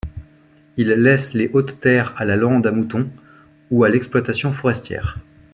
Ils laissent les hautes terres à la lande à moutons ou à l'exploitation forestière.